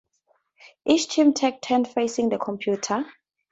Each team takes turns facing the computer.